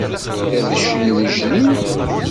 D abecci n wejlim.